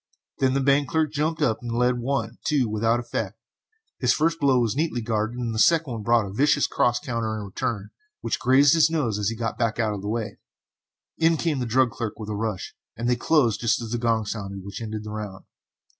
Then the bank clerk jumped in and led one, two, without effect, for his first blow was neatly guarded and the second brought a vicious cross counter in return, which grazed his nose as he got back out of the way. In came the drug clerk with a rush, and they closed just as the gong sounded which ended the round.